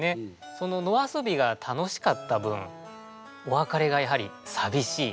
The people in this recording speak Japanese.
その野遊びが楽しかった分お別れがやはり寂しい。